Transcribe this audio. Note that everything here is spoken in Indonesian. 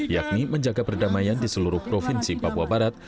yakni menjaga perdamaian di seluruh provinsi papua barat